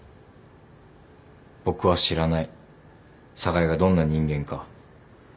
僕は知らない寒河江がどんな人間か。